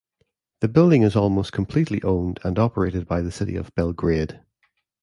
The building is almost completely owned and operated by the City of Belgrade.